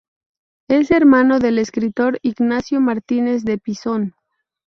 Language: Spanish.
Es hermano del escritor Ignacio Martínez de Pisón.